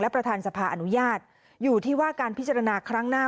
ประธานสภาอนุญาตอยู่ที่ว่าการพิจารณาครั้งหน้า